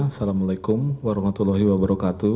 assalamualaikum warahmatullahi wabarakatuh